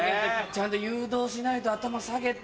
ちゃんと誘導しないと頭下げて。